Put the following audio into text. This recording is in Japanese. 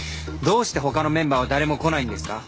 どうして他のメンバーは誰も来ないんですか？